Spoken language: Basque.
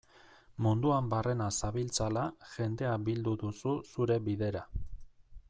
Munduan barrena zabiltzala, jendea bildu duzu zure bidera.